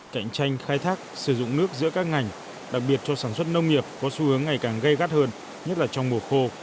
cạnh tranh khai thác sử dụng nước giữa các ngành đặc biệt cho sản xuất nông nghiệp có xu hướng ngày càng gây gắt hơn nhất là trong mùa khô